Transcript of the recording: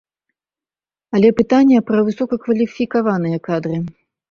Але пытанне пра высокакваліфікаваныя кадры.